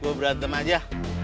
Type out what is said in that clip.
lu jangan pernah sentuh cewek gua